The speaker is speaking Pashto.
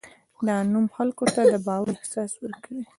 دا نوم خلکو ته د باور احساس ورکوي.